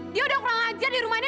dia udah kurang ajar di rumah ini